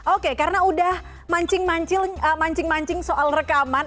oke karena udah mancing mancing soal rekaman